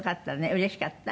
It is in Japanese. うれしかった？